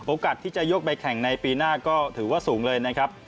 โอกาสที่จะยกไปแข่งในปีหน้าก็ถือว่าสูงเลยนะครับ